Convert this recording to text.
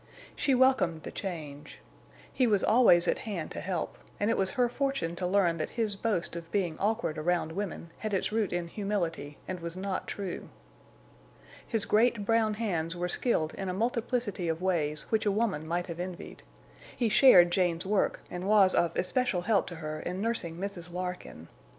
She welcomed the change. He was always at hand to help, and it was her fortune to learn that his boast of being awkward around women had its root in humility and was not true. His great, brown hands were skilled in a multiplicity of ways which a woman might have envied. He shared Jane's work, and was of especial help to her in nursing Mrs. Larkin.